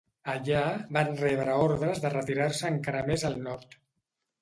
Allà, van rebre ordres de retirar-se encara més al nord.